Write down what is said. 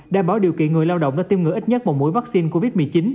đảm bảo điều kiện người lao động đã tiêm ngừa ít nhất một mũi vaccine covid một mươi chín